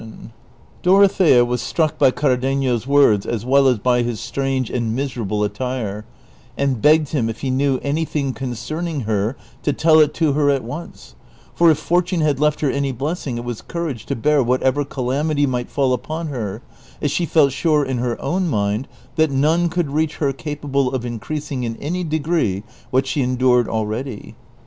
232 DON QUIXOTE. Dorothea was struck by Cardenio's words as well as by bis strange and miserable attire, and begged him if he knew any thing concerning her to tell it to her at once, for if fortune had left her any blessing it was courage to bear whatever calamity might fall upon her, as she felt sure in her own mind that none could reach her capable of increasing in any degree what she endured already.